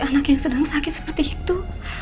anak yang sedang sakit seperti itu